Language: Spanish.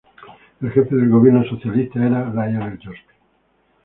El jefe del Gobierno socialista era Lionel Jospin.